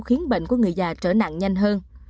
khiến bệnh của người già trở nặng nhanh hơn